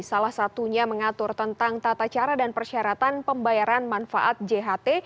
salah satunya mengatur tentang tata cara dan persyaratan pembayaran manfaat jht